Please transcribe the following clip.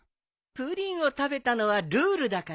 プリンを食べたのはルールだからね。